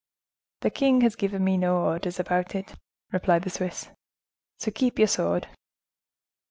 "The king has given me no orders about it," replied the Swiss, "so keep your sword."